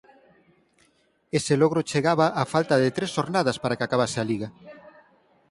Ese logro chegaba a falta de tres xornadas para que acabase a liga.